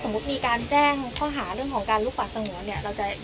ข้อหาเรื่องของการลุกป่าสงวนเนี่ย